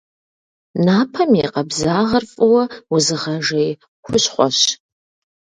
Напэм и къабзагъэр фӏыуэ узыгъэжей хущхъуэщ.